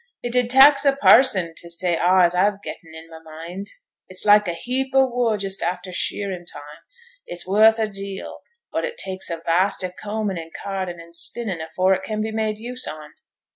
It 'd tax a parson t' say a' as a've getten i' my mind. It's like a heap o' woo' just after shearin' time; it's worth a deal, but it tak's a vast o' combin', an' cardin', an' spinnin' afore it can be made use on.